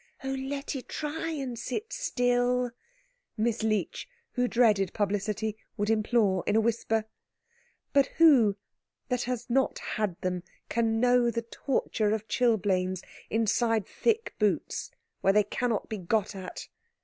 "Oh, Letty, try and sit still," Miss Leech, who dreaded publicity, would implore in a whisper; but who that has not had them can know the torture of chilblains inside thick boots, where they cannot be got at?